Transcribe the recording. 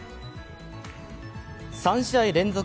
３試合連続